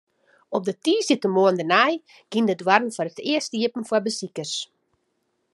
Op de tiisdeitemoarn dêrnei giene de doarren foar it earst iepen foar besikers.